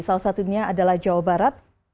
salah satunya adalah jawa barat